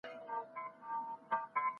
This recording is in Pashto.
څیړنې د ستونزو اصلي لاملونه په ګوته کوي.